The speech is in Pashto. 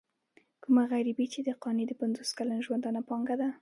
کومه غريبي چې د قانع د پنځوس کلن ژوندانه پانګه ده.